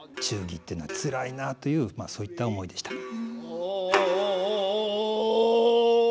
忠義っていうのはつらいな」というそういった思いでした。